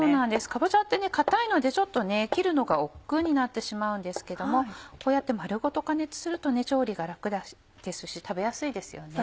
かぼちゃってね硬いのでちょっと切るのがおっくうになってしまうんですけどもこうやって丸ごと加熱すると調理が楽ですし食べやすいですよね。